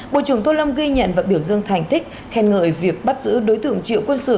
bộ trưởng tô lâm ghi nhận và biểu dương thành tích khen ngợi việc bắt giữ đối tượng triệu quân sự